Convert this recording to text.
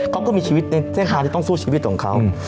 เขาก็มีชีวิตในเส้นทางที่ต้องสู้ชีวิตของเขา